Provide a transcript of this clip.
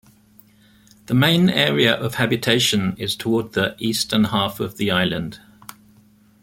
The main area of habitation is toward the eastern half of the island.